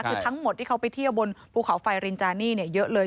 คือทั้งหมดที่เขาไปเที่ยวบนภูเขาไฟรินจานี่เยอะเลย